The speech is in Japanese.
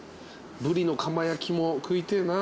ブリのかま焼きも食いてえな。